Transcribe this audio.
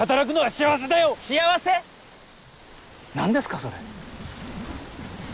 何ですかそれ。